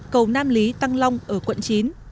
cầu nam lý tăng long ở quận chín